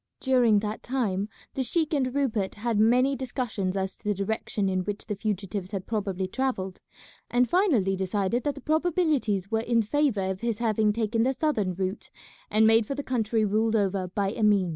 During that time the sheik and Rupert had many discussions as to the direction in which the fugitives had probably travelled, and finally decided that the probabilities were in favour of his having taken the southern route and made for the country ruled over by Emin.